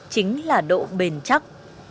chính là độ bền chắc